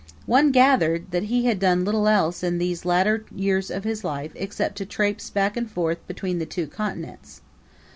One gathered that he had done little else in these latter years of his life except to traipse back and forth between the two continents.